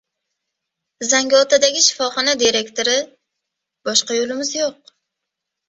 Zangiotadagi shifoxona direktori: "Boshqa yo‘limiz yo‘q"